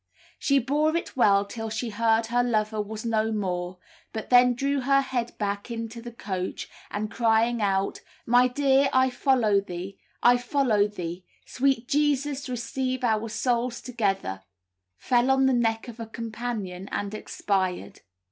She bore it well till she heard her lover was no more, but then drew her head back into the coach, and crying out, "My dear, I follow thee! I follow thee! Sweet Jesus, receive our souls together!" fell on the neck of a companion and expired.